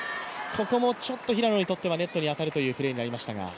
ここもちょっと平野にとってはネットに当たるプレーになりましたが。